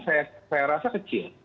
saya rasa kecil